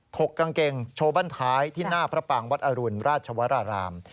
กกางเกงโชว์บ้านท้ายที่หน้าพระปางวัดอรุณราชวราราม